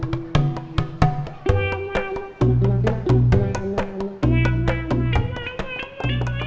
mestinya aka aka ute harus bersyukur punya istri yang bekerja mencari nafkah